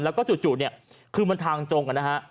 แล้วก็จู่คือมันทางตรงกัน